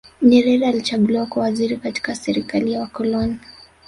nyerere alichaguliwa kuwa waziri katika serikali ya wakoloni